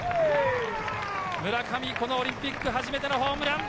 村上、このオリンピック初めてのホームラン！